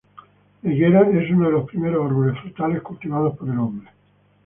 La higuera es uno de los primeros árboles frutales cultivados por el hombre.